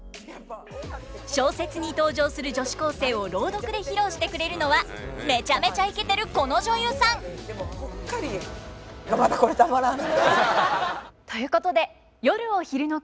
小説に登場する女子高生を朗読で披露してくれるのはめちゃめちゃイケてるこの女優さん。ということで「夜を昼の國」